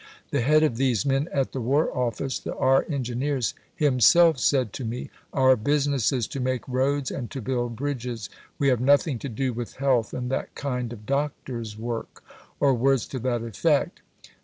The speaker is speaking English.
The head of these men at the War Office, the R. Engineers, himself said to me: 'our business is to make roads and to build bridges we have nothing to do with health and that kind of Doctor's work,' or words to that effect.